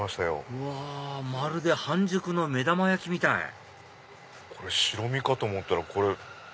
うわまるで半熟の目玉焼きみたいこれ白身かと思ったら。